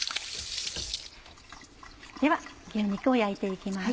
では牛肉を焼いて行きます。